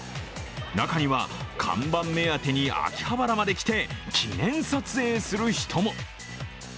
中には、看板目当てに秋葉原まで来て記念撮影する人も。